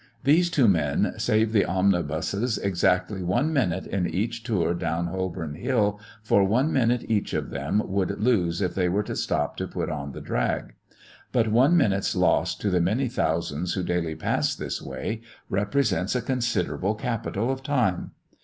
Those two men save the omnibuses exactly one minute in each tour down Holborn Hill, for one minute each of them would lose if they were to stop to put on the drag. But one minute's loss to the many thousands who daily pass this way represents a considerable capital of time.